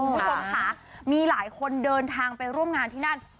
คุณผู้ชมค่ะมีหลายคนเดินทางไปร่วมงานที่นั่น